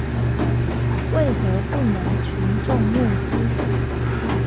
為何不能群眾募資？